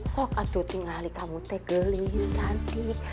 sok kamu tegelis cantik